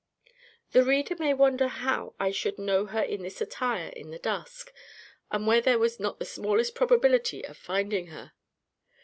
The reader may wonder how I should know her in this attire in the dusk, and where there was not the smallest probability of finding her.